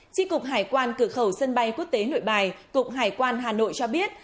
tri cục hải quan cửa khẩu sân bay quốc tế nội bài cục hải quan hà nội cho biết